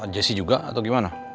jesse juga atau gimana